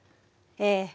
ええ。